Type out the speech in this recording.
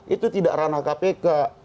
itu tidak ranah kpk